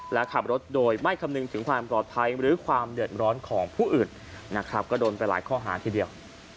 และขับรถโดยไม่คำนึงถึงความปลอดภัยหรือความเดือดร้อนของผู้อื่นนะครับก็โดนไปหลายข้อหาทีเดียว